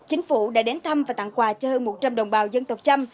chính phủ đã đến thăm và tặng quà cho hơn một trăm linh đồng bào dân tộc trăm